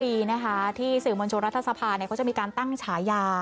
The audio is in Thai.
ดีนะคะที่สื่อมวลชนรัฐสภาเขาจะมีการตั้งฉายา